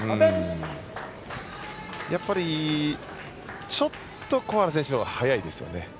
やっぱりちょっと小原選手のほうが早いですよね。